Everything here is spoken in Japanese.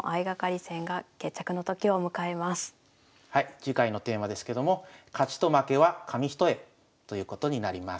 次回のテーマですけども「勝ちと負けは紙一重」ということになります。